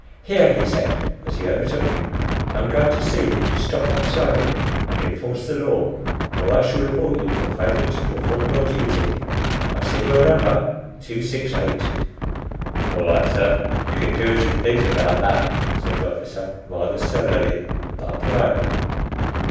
"Here," he said, as he overtook him, "I am going to see that you stop that sliding and enforce the law, or I shall report you for failure to perform your duty. I see your number—268." "All right, sir. You can do as you please about that," said the officer, rather surlily, but politely.